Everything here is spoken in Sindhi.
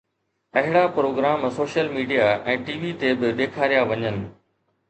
اهڙا programme social media ۽ T V تي به ڏيکاريا وڃن